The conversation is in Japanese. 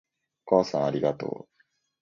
お母さんありがとう